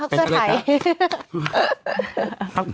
เป็นอะไรครับ